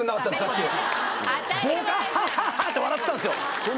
ハハハハ！って笑ってたんですよ。